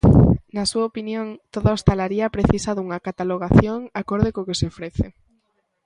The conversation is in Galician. Na súa opinión, toda a hostalaría precisa dunha catalogación acorde co que se ofrece.